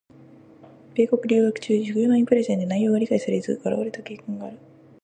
米国留学中、授業内プレゼンで内容が理解されず笑われた経験がある。